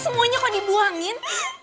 semuanya kok dibuangin